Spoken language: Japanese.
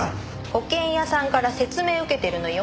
保険屋さんから説明受けてるのよ。